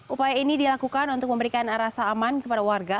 upaya ini dilakukan untuk memberikan rasa aman kepada warga